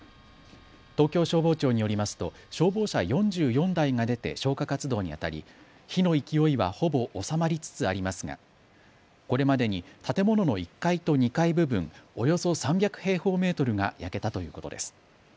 東京消防庁によりますと消防車４４台が出て消火活動にあたり火の勢いはほぼ収まりつつありますがこれまでに建物の１階と２階部分およそ３００平方メートルが焼けたということです。